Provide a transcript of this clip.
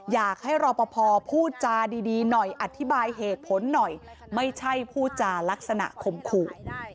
อยากให้รอปภพูดจาดีหน่อยอธิบายเหตุผลหน่อยไม่ใช่พูดจารักษณข่มขู่